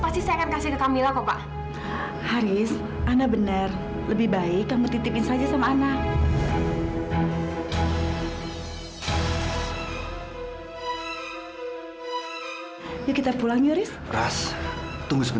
sampai jumpa di video selanjutnya